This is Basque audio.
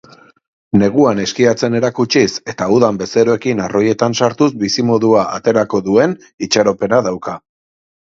Neguan eskiatzen erakutsiz eta udan bezeroekin arroiletan sartuz bizimodua aterako duen itxaropena dauka.